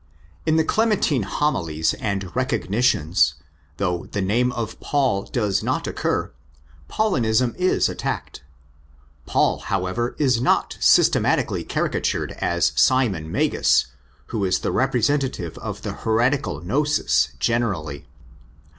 In the Clementine Homiliae and Recognitiones, though the name of Paul does not occur, Paulinism is attacked. Paul, however, is not systematically caricatured as Simon Magus, who is the representative of the heretical gnosis generally.